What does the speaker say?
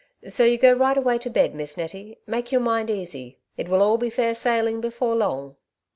So you go right away to bed, Miss Nettie ; make your mind easy ; it will all be fair sailing before long."